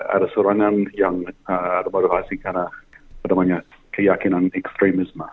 ada sorangan yang ada motivasi karena keyakinan ekstremisme